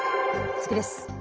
次です。